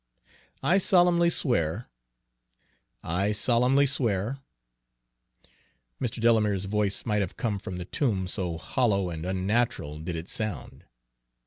I solemnly swear," "I solemnly swear," Mr. Delamere's voice might have come from the tomb, so hollow and unnatural did it sound.